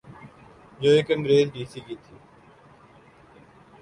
جو ایک انگریز ڈی سی کی تھی۔